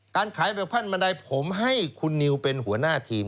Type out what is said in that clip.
การขายแบบพันบันไดผมให้คุณนิวเป็นหัวหน้าทีม